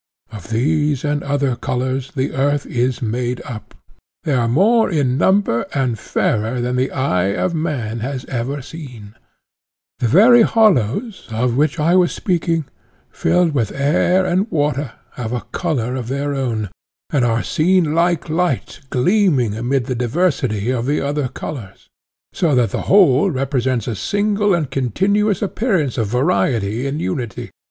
Of these and other colours the earth is made up, and they are more in number and fairer than the eye of man has ever seen; the very hollows (of which I was speaking) filled with air and water have a colour of their own, and are seen like light gleaming amid the diversity of the other colours, so that the whole presents a single and continuous appearance of variety in unity.